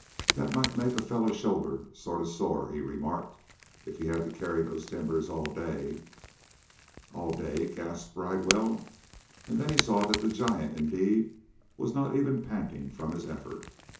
"That might make a fellow's shoulder sort of sore," he remarked, "if he had to carry those timbers all day." "All day?" gasped Bridewell, and then he saw that the giant, indeed, was not even panting from his effort.